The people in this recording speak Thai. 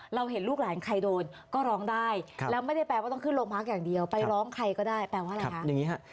เราเห็นลูกหลานใครโดนก็ร้องได้แล้วไม่ได้แปลว่าต้องขึ้นโรงพักอย่างเดียวไปร้องใครก็ได้แปลว่าอะไรคะอย่างนี้ฮะ